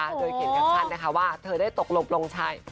โดยเขียนกับชัดว่าเธอได้ตกลบลงใจ